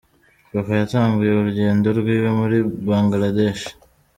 Papa yatanguye urugendo rwiwe muri Bangladesh.